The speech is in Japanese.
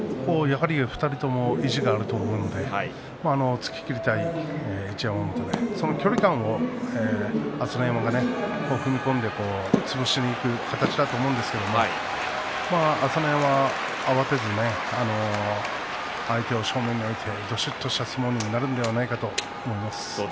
２人も意地があると思うので突ききりたい一山本距離感も朝乃山が踏み込んで潰しにいく形だと思うんですが朝乃山は慌てずに相手を正面に置いてどしっとした相撲になるんじゃないかと思います。